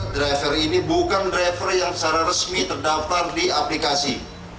driver ini bukan driver yang secara resmi terdaftar di aplikasi